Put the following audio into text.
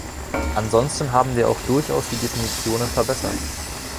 Ansonsten haben wir auch durchaus die Definitionen verbessert.